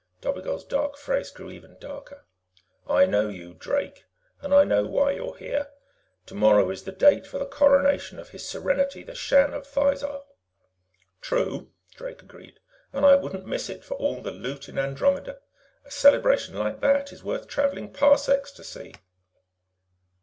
Dobigel's dark face grew even darker. "I know you, Drake. And I know why you're here. Tomorrow is the date for the Coronation of His Serenity, the Shan of Thizar." "True," Drake agreed. "And I wouldn't miss it for all the loot in Andromeda. A celebration like that is worth traveling parsecs to see."